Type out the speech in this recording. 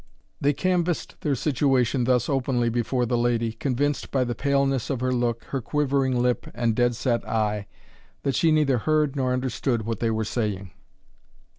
They canvassed their situation thus openly before the lady, convinced by the paleness of her look, her quivering lip, and dead set eye, that she neither heard nor understood what they were saying.